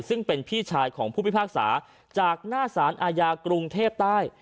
ซึ่งเป็นพี่ชายของผู้พิพากษาจากหน้าสารอาญากรุงเทพใต้